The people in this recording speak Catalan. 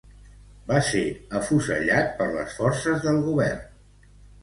Va ser afusellat per les forces del govern.